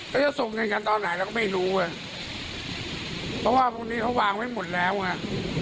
แล้วจะส่งเงินกันตอนไหนเราก็ไม่รู้ไงเพราะว่าพวกนี้เขาวางไว้หมดแล้วไง